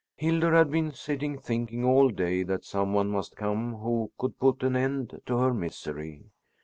Hildur had been sitting thinking all day that some one must come who could put an end to her misery.